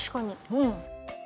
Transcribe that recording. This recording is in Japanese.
うん。